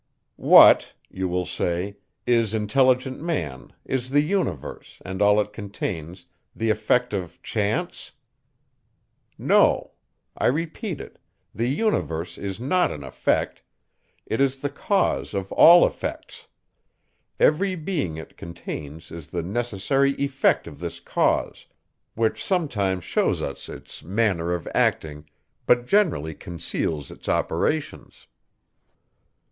"What?" you will say, "is intelligent man, is the universe, and all it contains, the effect of chance?" No; I repeat it, the universe is not an effect; it is the cause of all effects; every being it contains is the necessary effect of this cause, which sometimes shews us its manner of acting, but generally conceals its operations.